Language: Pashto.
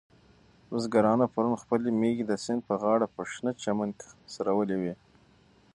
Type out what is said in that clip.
بزګرانو پرون خپلې مېږې د سیند په غاړه په شنه چمن کې څرولې وې.